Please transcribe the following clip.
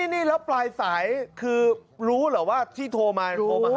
นี่แล้วปลายสายคือรู้เหรอว่าที่โทรมาโทรมาหา